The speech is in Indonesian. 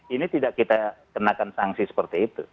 ini tidak kita kenakan sanksi seperti itu